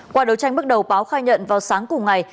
qua đấu tranh bước đầu báo khai nhận vào sáng cùng ngày